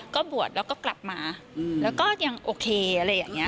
ก็บวชแล้วก็กลับมาแล้วก็ยังโอเคอะไรอย่างนี้